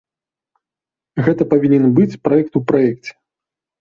Гэта павінен быў быць праект у праекце.